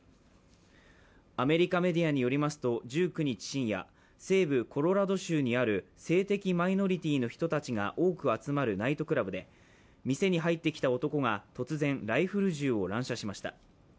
アメリカメディアによりますと１９日深夜、西部コロラド州にある性的マイノリティーの人たちが多く集まるナイトクラブで、店に入ってきた男が突然、ライフル銃を乱射しました。